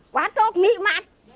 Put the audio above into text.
quá tốt mị mát